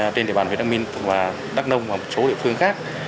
trên địa bàn huyện đắc minh và đắk nông và một số địa phương khác